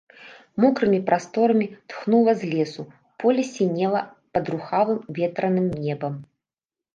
Мокрымі прасторамі тхнула з лесу, поле сінела пад рухавым ветраным небам.